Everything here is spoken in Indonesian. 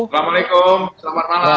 waalaikumsalam selamat malam